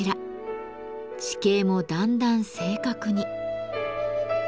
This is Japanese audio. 地形もだんだん正確に。